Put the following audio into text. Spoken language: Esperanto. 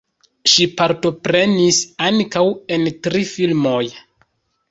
Ŝi partoprenis ankaŭ en tri filmoj.